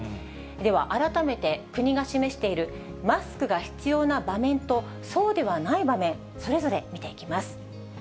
では改めて、国が示しているマスクが必要な場面と、そうではない場面、それぞれ見ていきます。